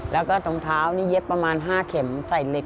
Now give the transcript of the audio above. แล้วก็ตรงเท้านี่เย็บประมาณ๕เข็มใส่เหล็ก